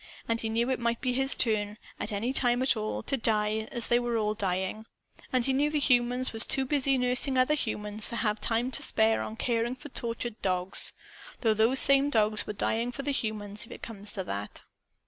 And he knew it might be his turn, any time at all, to die as they were dying; and he knew the humans was too busy nursing other humans, to have time to spare on caring for tortured dogs. (Though those same dogs were dying for the humans, if it comes to that.)